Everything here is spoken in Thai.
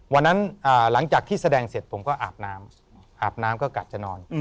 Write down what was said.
หลังจากที่แสดงเสร็จผมก็อาบน้ำอาบน้ำก็กะจะนอน